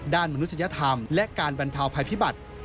มนุษยธรรมและการบรรเทาภัยพิบัติ